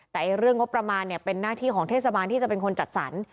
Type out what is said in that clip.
แต่เรื่องงบประมาณเป็นหน้าที่ของเทศบาลที่จะเป็นคนจัดสรร